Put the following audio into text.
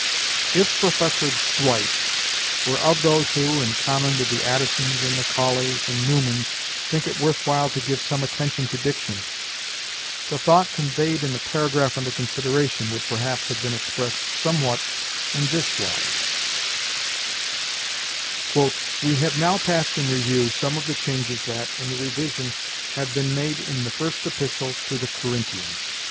If Professor Dwight were of those who, in common with the Addisons and Macaulays and Newmans, think it worth while to give some attention to diction, the thought conveyed in the paragraph under consideration would, perhaps, have been expressed somewhat in this wise: "We have now passed in review some of the changes that, in the revision, have been made in the First Epistle to the Corinthians.